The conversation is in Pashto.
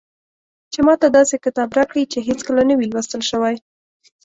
چې ماته داسې کتاب راکړي چې هېڅکله نه وي لوستل شوی.